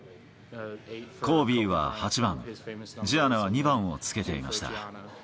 コービーは８番、ジアナは２番をつけていました。